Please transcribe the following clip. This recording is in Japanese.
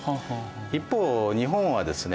一方日本はですね